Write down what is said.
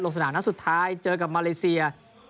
ธูปขมาริเซียลกสนานาสุดท้ายเจอกับมาเลเซีย